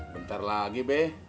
bentar lagi be